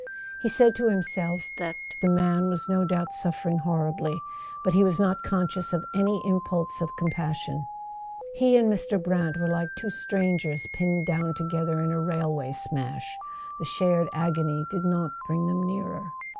He said to himself that the man was no doubt suffer¬ ing horribly; but he was not conscious of any impulse of compassion. He and Mr. Brant were like two strangers pinned down together in a railway smash: the shared agony did not bring them nearer.